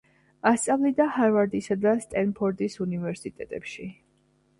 ასწავლიდა ჰარვარდისა და სტენფორდის უნივერსიტეტებში.